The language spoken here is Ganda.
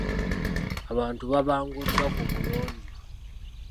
Abantu baabanguddwa ku buyonjo.